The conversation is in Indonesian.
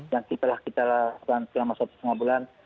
yang telah kita lakukan selama satu setengah bulan